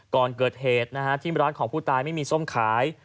ก่อนเกิดเหตุนะฮะที่ร้านของผู้ตายไม่มีส้มขาย